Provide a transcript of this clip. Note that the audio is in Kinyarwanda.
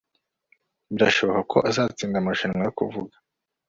Birashoboka ko azatsinda amarushanwa yo kuvuga